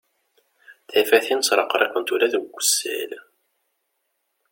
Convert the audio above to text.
Tafatin ttreqriqent ula deg wazal.